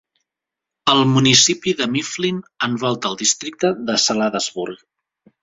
El municipi de Mifflin envolta el districte de Salladasburg.